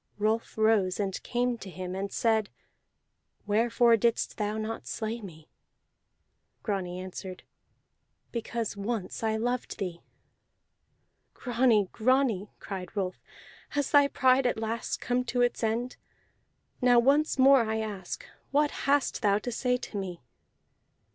Rolf rose, and came to him, and said: "Wherefore didst thou not slay me?" Grani answered: "Because once I loved thee." "Grani, Grani," cried Rolf, "has thy pride at last come to its end? Now once more I ask: What hast thou to say to me?